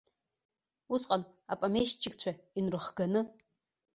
Усҟан апомешьчикцәа инрыхганы.